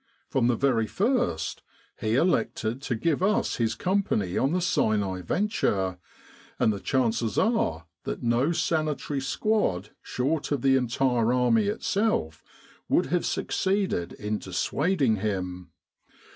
From the very first he elected to give us his company on the Sinai venture, and the chances are that no Sanitary Squad short of the entire Army itself would have succeeded in dissuading him.